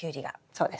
そうです。